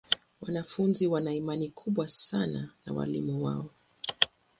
Wanafunzi wana imani kubwa sana na walimu wao.